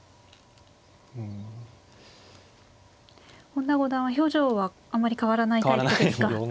本田五段は表情はあんまり変わらないタイプですか。